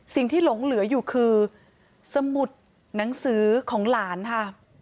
หลงเหลืออยู่คือสมุดหนังสือของหลานค่ะ